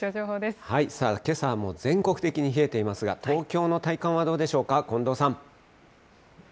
けさはもう、全国的に冷えていますが、東京の体感はどうでしょうか、近藤さん。